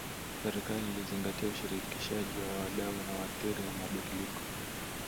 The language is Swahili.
Serikali ilizingatia ushirikishaji wa wadau wanaoathirika na mabadiliko